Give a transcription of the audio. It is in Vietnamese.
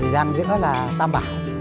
gian giữa là tam bảo